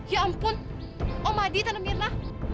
ya ampun om hadi tante mirna